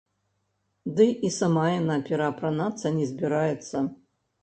Ды і сама яна пераапранацца не збіраецца.